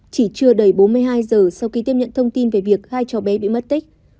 chỉ chưa đầy bốn mươi hai giờ sau khi tiếp nhận thông tin về việc hai cháu bé bị mất tích